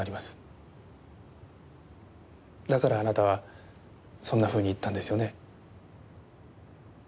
だからあなたはそんなふうに言ったんですよね？